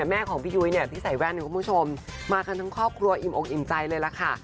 แม่ของพี่ยุ้ยเนี่ยพี่ใส่แว่นเนี่ยคุณผู้ชมมากันทั้งครอบครัวอิ่มอกอิ่มใจเลยล่ะค่ะ